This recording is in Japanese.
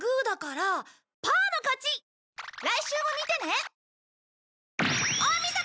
来週も見てね！